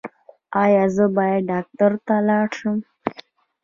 ایا زه باید ډاکټر ته لاړ شم؟